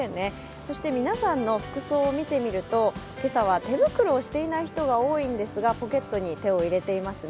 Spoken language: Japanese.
そして皆さんの服装を見てみると今朝は手袋をしていない人が多いんですがポケットに手を入れていますね。